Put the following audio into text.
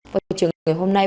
với chủ trường ngày hôm nay